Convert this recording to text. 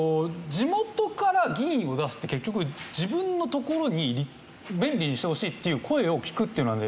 地元から議員を出すって結局自分の所に便利にしてほしいっていう声を聞くっていうので。